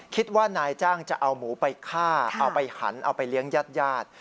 คิดว่านายจ้างจะเอาหมูไปฆ่าเอาไปหันเอาไปเลี้ยงญาติญาติ